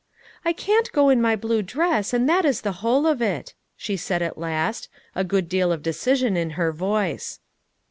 "I can't go in my blue dress, and that is the whole of it," she said at last, a good deal of decision in her voice.